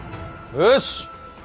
よし。